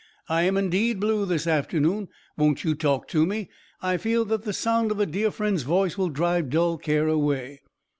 'I am indeed blue this afternoon. Won't you talk to me? I feel that the sound of a dear friend's voice will drive dull care away.'